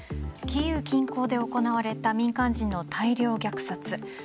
キーウ近郊で行われた民間人の大量虐殺。